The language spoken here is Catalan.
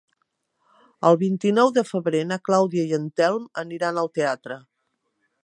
El vint-i-nou de febrer na Clàudia i en Telm aniran al teatre.